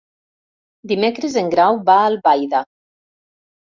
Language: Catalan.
Dimecres en Grau va a Albaida.